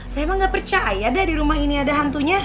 saya emang gak percaya deh di rumah ini ada hantunya